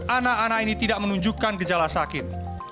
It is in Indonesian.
anak anak ini tidak menunjukkan gejala sakit